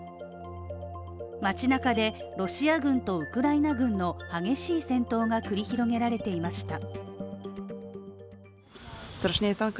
街なかでロシア軍とウクライナ軍の激しい戦闘が繰り広げられていました。